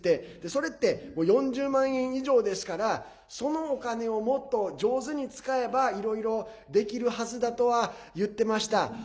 それって４０万円以上ですからそのお金を、もっと上手に使えばいろいろできるはずだとは言っていました。